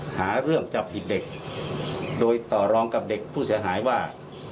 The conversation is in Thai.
หาเรื่องจับผิดเด็กโดยต่อรองกับเด็กผู้เสียหายว่า